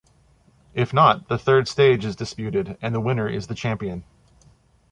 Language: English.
If not, the third stage is disputed, and the winner is the champion.